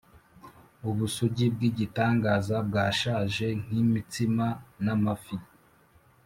ubusugi bw'igitangaza bwashaje nk'imitsima n'amafi,